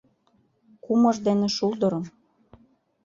Кумыж дене шулдырым